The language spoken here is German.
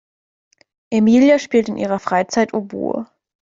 Emilia spielt in ihrer Freizeit Oboe.